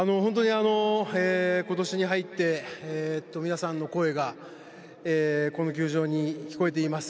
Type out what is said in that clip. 今年に入って皆さんの声がこの球場に聞こえています。